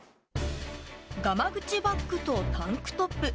がま口バッグとタンクトップ。